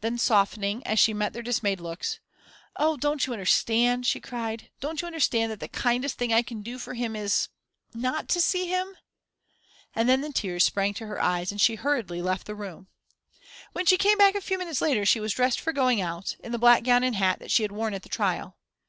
Then softening, as she met their dismayed looks: "Oh, don't you understand," she cried, "don't you understand that the kindest thing I can do for him is not to see him?" And then the tears sprang to her eyes and she hurriedly left the room. When she came back a few minutes later, she was dressed for going out, in the black gown and hat that she had worn at the trial.